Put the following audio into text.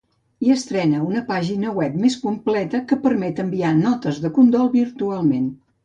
I estrena una pàgina web més completa que permet enviar notes de condol virtualment.